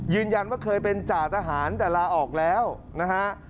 ยืนยันว่าเคยเป็นจ่าทหารแต่ลาออกแล้วนะฮะ